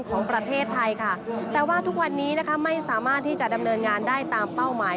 ของประเทศไทยค่ะแต่ว่าทุกวันนี้นะคะไม่สามารถที่จะดำเนินงานได้ตามเป้าหมาย